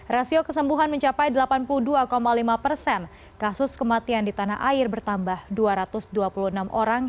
rasio kesembuhan mencapai delapan puluh dua lima persen kasus kematian di tanah air bertambah dua ratus dua puluh enam orang